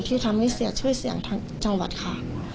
ที่ทำให้เสียชื่อเสียงทั้งจังหวัดค่ะ